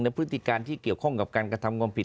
และพฤติการที่เกี่ยวข้องกับการจำกรรมผิด